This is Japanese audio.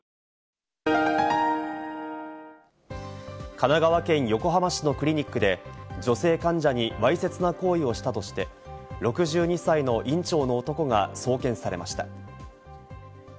神奈川県横浜市のクリニックで女性患者にわいせつな行為をしたとして、６２歳の院長の男が送検されました。